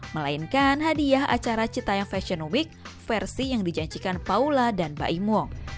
melainkan hadiah acara citayang fashion week versi yang dijanjikan paula dan baim wong